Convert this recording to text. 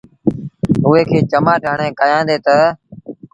اُئي کي چمآٽ هڻي ڪهيآندي تا